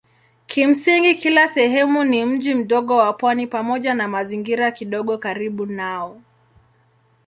Kimsingi kila sehemu ni mji mdogo wa pwani pamoja na mazingira kidogo karibu nao.